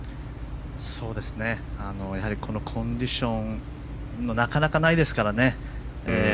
やはりこのコンディションはなかなかないですからね。